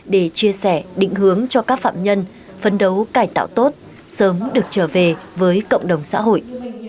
để chia sẻ định hướng cho các phạm nhân phấn đấu cải tạo tốt sớm được trở về với cộng đồng xã hội